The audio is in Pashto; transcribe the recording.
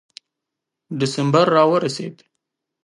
ډسمبر را ورسېد.